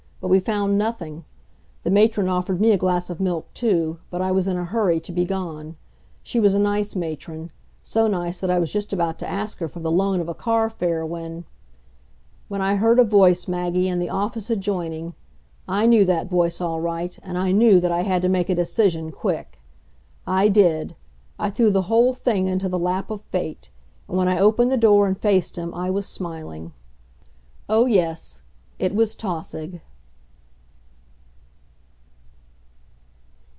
But we found nothing. The matron offered me a glass of milk, too, but I was in a hurry to be gone. She was a nice matron; so nice that I was just about to ask her for the loan of car fare when When I heard a voice, Maggie, in the office adjoining. I knew that voice all right, and I knew that I had to make a decision quick. I did. I threw the whole thing into the lap of Fate. And when I opened the door and faced him I was smiling. Oh, yes, it was Tausig.